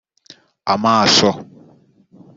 amaso